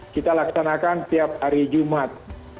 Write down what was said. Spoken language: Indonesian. kita laksanakan tiap hari jumat